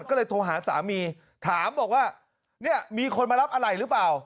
ก็เลยโทรหาสามีถามบอกว่าเนี่ยมีคนมารับอะไรหรือเปล่า